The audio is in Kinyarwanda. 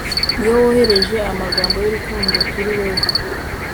iyo wohereje amagambo yurukundo kuri wewe